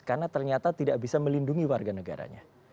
karena ternyata tidak bisa melindungi warga negaranya